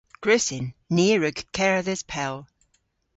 Gwrussyn. Ni a wrug kerdhes pell.